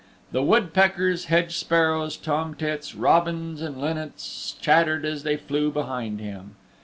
The woodpeckers, hedge sparrows, tom tits, robins and linnets chattered as they flew behind him.